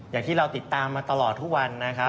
อย่างที่เราติดตามมาตลอดทุกวัน